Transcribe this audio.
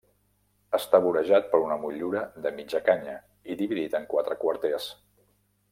Està vorejat per una motllura de mitja canya i dividit en quatre quarters.